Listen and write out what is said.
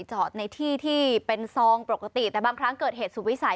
จอดในที่ที่เป็นซองปกติแต่บางครั้งเกิดเหตุสุวิสัย